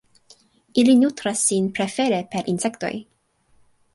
Ili nutras sin prefere per insektoj.